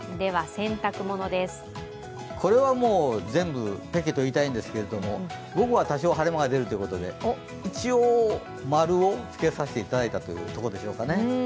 これは全部×と言いたいんですけれども、午後は多少晴れ間が出るということで、一応○をつけさせていただいたというところですね。